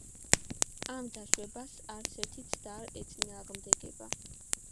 ამ დაშვებას არც ერთი ცდა არ ეწინააღმდეგება.